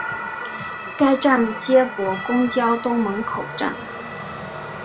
该站接驳公交东门口站。